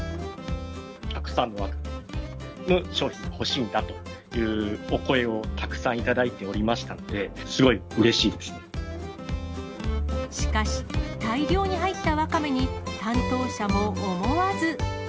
たくさんのわかめの商品が欲しいんだというお声を、たくさん頂いておりましたので、すごいうしかし、大量に入ったわかめに、担当者も思わず。